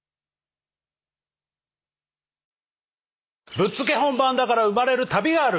ぶっつけ本番だから生まれる旅がある。